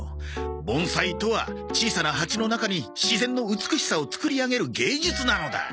盆栽とは小さな鉢の中に自然の美しさを作り上げる芸術なのだ。